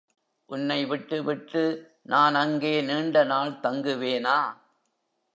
உன்னை விட்டு விட்டு நான் அங்கே நீண்ட நாள் தங்குவேனா?